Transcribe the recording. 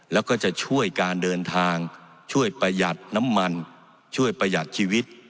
แล้วก็จะช่วยการเดินทางช่วยประหยัดน้ำมันช่วยประหยัดชีวิต